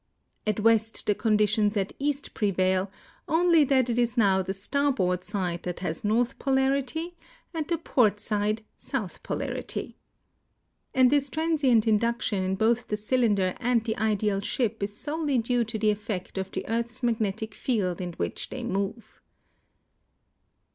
At west the conditions at east prevail, only that it is now the starboard side that has north polarity and the port side south polarit3^ And this transient induction in both the cylinder and the ideal ship is sol el 3^ due to the effect of the earth's magnetic field in which the3^ move.